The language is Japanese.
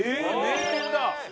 名店だ！